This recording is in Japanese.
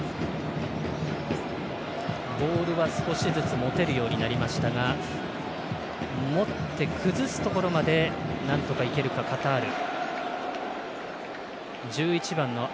ボールは少しずつ持てるようになりましたが持って、崩すところまでなんとかいけるか、カタール。